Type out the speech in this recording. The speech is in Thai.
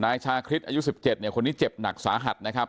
นายชาคริสอายุ๑๗เนี่ยคนนี้เจ็บหนักสาหัสนะครับ